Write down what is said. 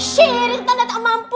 sirik tanda tak mampu